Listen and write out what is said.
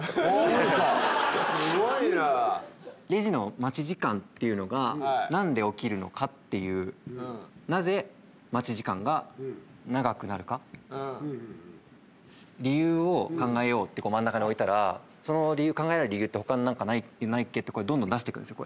レジの待ち時間っていうのが何で起きるのかっていうなぜ待ち時間が長くなるか理由を考えようってこう真ん中においたらその考えられる理由ってほかに何かないっけ？ってどんどん出していくんです